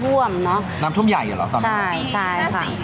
ช่วงน้ำห่วมเนอะปีแค่๔กรัม